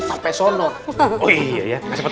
eh pak ustadz